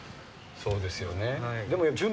そうですよね。